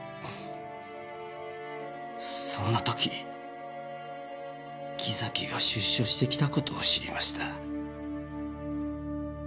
そんな時木崎が出所してきた事を知りました。